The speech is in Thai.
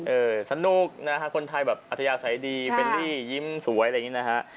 สนุกนะฮะคนไทยแบบอัธยาศัยดีเบลลี่ยิ้มสวยอะไรอย่างนี้นะฮะ